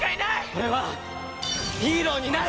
俺はヒーローになる！